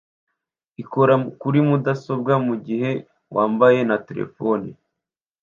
ikora kuri mudasobwa mugihe wambaye na terefone